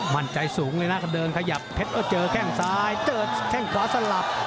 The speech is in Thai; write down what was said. มั่นใจสูงเลยนะเดินขยับเพชรก็เจอแข้งซ้ายเจอแข้งขวาสลับ